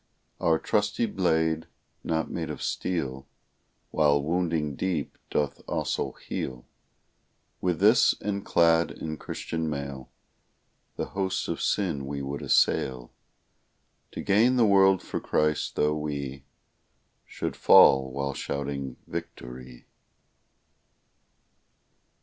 Our trusty blade, not made of steel, While wounding deep, doth also heal; With this, and clad in Christian mail, The hosts of sin we would assail, To gain the world for Christ, tho' we Should fall while shouting victory!